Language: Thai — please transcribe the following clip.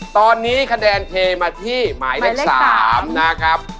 ตอนนี้คะแนนเทมาที่หมายเลข๓นะครับ